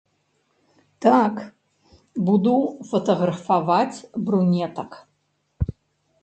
Так, буду фатаграфаваць брунетак.